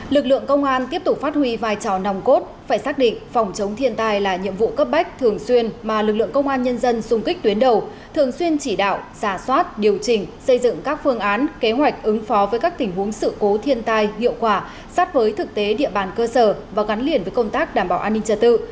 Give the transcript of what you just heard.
lực lượng công an tiếp tục phát huy vai trò nòng cốt phải xác định phòng chống thiên tai là nhiệm vụ cấp bách thường xuyên mà lực lượng công an nhân dân xung kích tuyến đầu thường xuyên chỉ đạo giả soát điều chỉnh xây dựng các phương án kế hoạch ứng phó với các tình huống sự cố thiên tai hiệu quả sát với thực tế địa bàn cơ sở và gắn liền với công tác đảm bảo an ninh trật tự